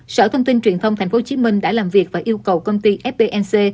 sở thông tin truyền thông tp hcm đã làm việc và yêu cầu công ty fpnc